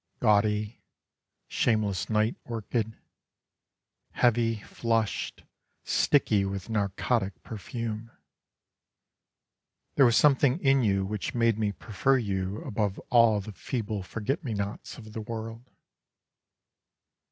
Gaudy, shameless night orchid, Heavy, flushed, sticky with narcotic perfume, There was something in you which made me prefer you Above all the feeble forget me nots of the world.